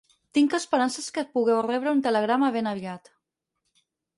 Tinc esperances que pugueu rebre un telegrama ben aviat.